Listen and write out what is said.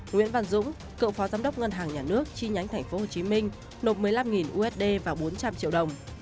nguyễn văn dũng cựu phó giám đốc ngân hàng nhà nước chi nhánh tp hcm nộp một mươi năm usd và bốn trăm linh triệu đồng